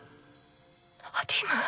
ナディム？